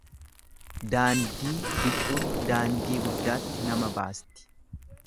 Daandii bicuun daandii guddaatti nama baasti.